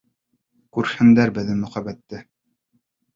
Күрһендәр беҙҙең мөхәббәтте!